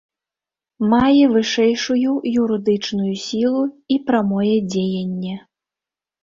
Мае вышэйшую юрыдычную сілу і прамое дзеянне.